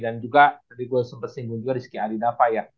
dan juga tadi gua sempet singgung juga rizky adidava ya